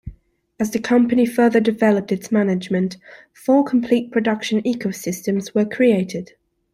As the company further developed its management, four complete production ecosystems were created.